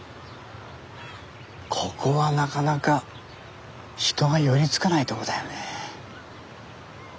ここはなかなか人が寄りつかないとこだよね。